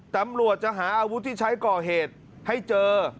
ตำรวจจะหาอาวุธที่ใช้ก่อเหตุให้เจอ